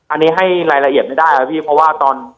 อันนี้ให้รายละเอียดไม่ได้ครับพี่เพราะว่าตอน